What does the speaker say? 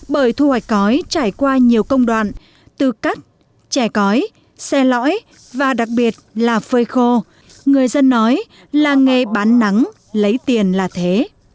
bởi thu hoạch cõi trải qua nhiều công đoạn từ cắt chẻ cõi xe lõi và đặc biệt là phơi khô người dân nói là nghề bán nắng lấy tiền là thế